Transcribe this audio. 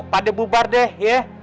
pakde bubar deh ya